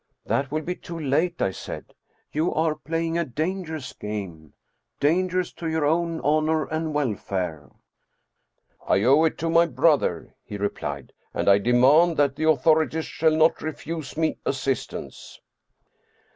" That will be too late," I said. " You are playing a dangerous game. Dangerous to your own honor and wel fare. " I owe it to my brother," he replied, " and I demand that the authorities shall not refuse me assistance."